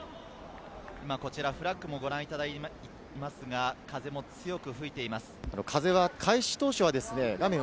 フラッグもご覧いただいていますが、風も強く吹いています。